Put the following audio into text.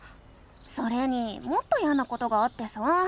それにもっといやなことがあってさ。